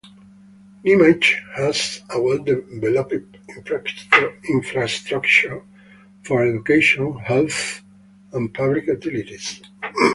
Neemuch has a well developed infrastructure for education, health and public utilities.